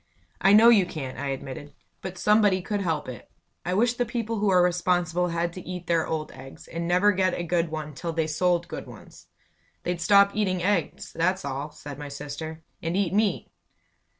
"I know you can't," I admitted. "But somebody could help it. I wish the people who are responsible had to eat their old eggs, and never get a good one till they sold good ones!" "They'd stop eating eggs, that's all," said my sister, "and eat meat."